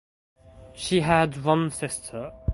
She had one sister.